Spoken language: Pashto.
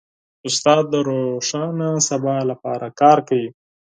استاد د روښانه سبا لپاره کار کوي.